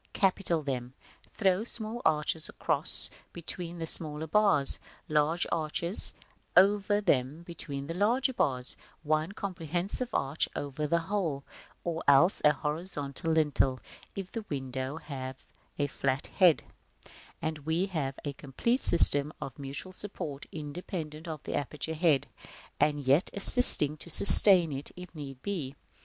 Capital them; throw small arches across between the smaller bars, large arches over them between the larger bars, one comprehensive arch over the whole, or else a horizontal lintel, if the window have a flat head; and we have a complete system of mutual support, independent of the aperture head, and yet assisting to sustain it, if need be.